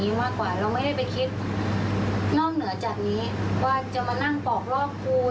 มากกว่าเราไม่ได้ไปคิดนอกเหนือจากนี้ว่าจะมานั่งปอกรอบครู